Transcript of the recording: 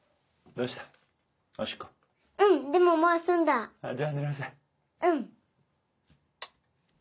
うん。